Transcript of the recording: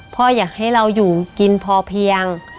พ่ออยากให้เราอยู่กินพอเพียง